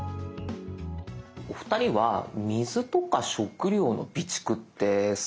お二人は水とか食料の備蓄ってされてますか？